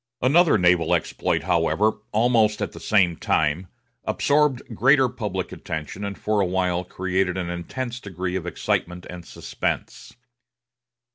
Another naval exploit, however, almost at the same time, absorbed greater public attention, and for a while created an intense degree of excitement and suspense.